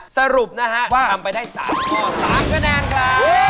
สรุปนะฮะว่าทำไปได้๓ข้อ๓คะแนนครับ